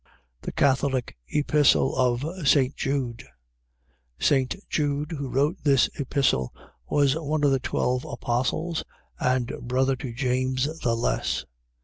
THE CATHOLIC EPISTLE OF ST. JUDE St. Jude, who wrote this Epistle, was one of the twelve Apostles and brother to St. James the Less.